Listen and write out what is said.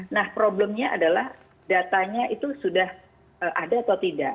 nah problemnya adalah datanya itu sudah ada atau tidak